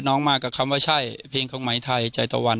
มากับคำว่าใช่เพลงของไหมไทยใจตะวัน